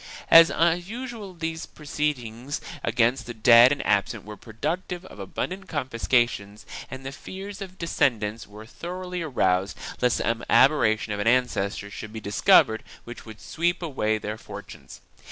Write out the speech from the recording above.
3 As usual these proceedings against the dead and absent were productive of abundant confiscations and the fears of descendants were thoroughly aroused lest some aberration of an ancestor should be discovered which would sweep away their fortunes.